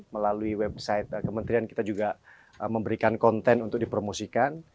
melalui website kementerian kita juga memberikan konten untuk dipromosikan